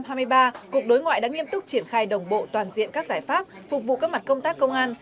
năm hai nghìn hai mươi ba cục đối ngoại đã nghiêm túc triển khai đồng bộ toàn diện các giải pháp phục vụ các mặt công tác công an